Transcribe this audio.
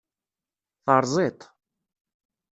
Terẓiḍ-t.